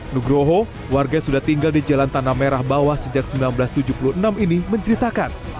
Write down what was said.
nugroho warga yang sudah tinggal di jalan tanah merah bawah sejak seribu sembilan ratus tujuh puluh enam ini menceritakan